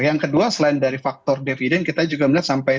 yang kedua selain dari faktor dividend kita juga melihat sampai